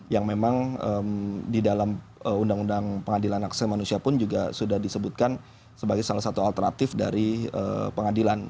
yang memang di dalam undang undang pengadilan akses manusia pun juga sudah disebutkan sebagai salah satu alternatif dari pengadilan